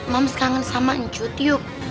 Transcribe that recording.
mams kangen sama cucu yuk